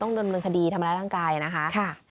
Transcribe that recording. ต้องโดนบริการคดีทำร้ายร่างกายนะคะ